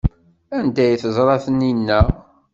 Anda ay teẓra Taninna?